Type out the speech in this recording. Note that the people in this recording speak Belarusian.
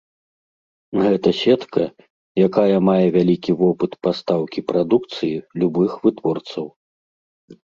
Гэта сетка, якая мае вялікі вопыт пастаўкі прадукцыі любых вытворцаў.